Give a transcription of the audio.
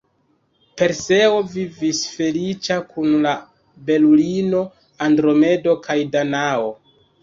Perseo vivis feliĉa kun la belulino Andromedo kaj Danao.